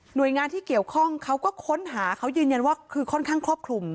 โดยงานที่เกี่ยวข้องเขาก็ค้นหาเขายืนยันว่าคือค่อนข้างครอบคลุม